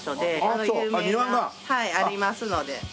はいありますので。